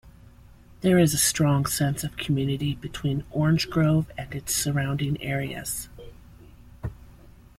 There is a strong sense of community between Orange Grove and its surrounding areas.